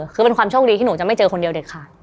คือเป็นความโชคดีที่หนูจะไม่เจอคนเดียวเด็ดขาด